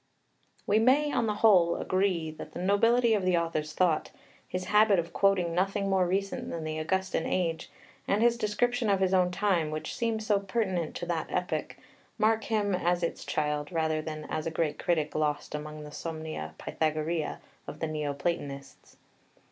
] We may, on the whole, agree that the nobility of the author's thought, his habit of quoting nothing more recent than the Augustan age, and his description of his own time, which seems so pertinent to that epoch, mark him as its child rather than as a great critic lost among the somnia Pythagorea of the Neoplatonists.